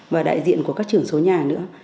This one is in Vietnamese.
và đại diện của các trưởng số nhà nữa